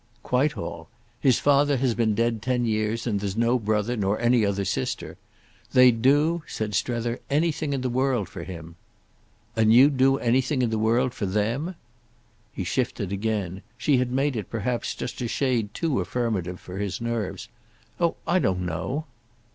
"Quite all. His father has been dead ten years, and there's no brother, nor any other sister. They'd do," said Strether, "anything in the world for him." "And you'd do anything in the world for them?" He shifted again; she had made it perhaps just a shade too affirmative for his nerves. "Oh I don't know!"